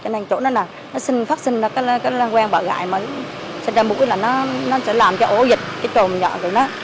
cho nên chỗ đó là nó sinh phát sinh là cái quen bỏ gãi mới sinh ra mũi là nó sẽ làm cho ổ dịch cái trồn nhỏ của nó